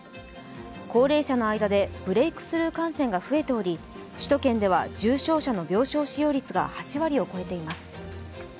高齢者の間でブレークスルー感染が増えており首都圏では重症者の病床使用率が８割を超えています。